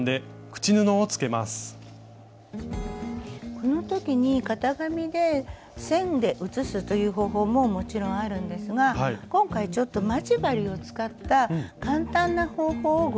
この時に型紙で線で写すという方法ももちろんあるんですが今回ちょっと待ち針を使った簡単な方法をご紹介したいと思います。